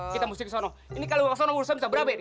kita mesti kesana ini kalo kesana urusan bisa berapa ini